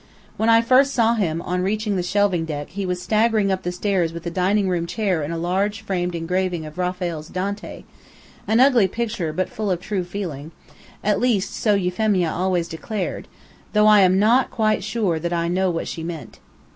When I first saw him, on reaching the shelving deck, he was staggering up the stairs with a dining room chair and a large framed engraving of Raphael's Dante an ugly picture, but full of true feeling; at least so Euphemia always declared, though I am not quite sure that I know what she meant.